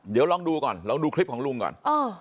เดี๋ยวลองดูก่อนลองดูคลิปของลุงก่อน